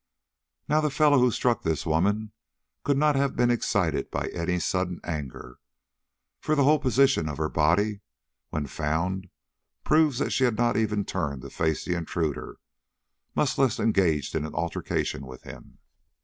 Now the fellow who struck this woman could not have been excited by any sudden anger, for the whole position of her body when found proves that she had not even turned to face the intruder, much less engaged in an altercation with him.